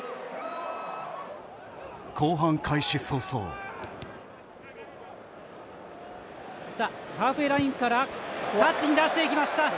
後半開始早々ハーフウェーラインからタッチに出していきました。